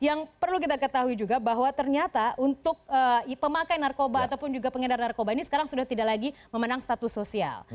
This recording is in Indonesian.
yang perlu kita ketahui juga bahwa ternyata untuk pemakai narkoba ataupun juga pengedar narkoba ini sekarang sudah tidak lagi memenang status sosial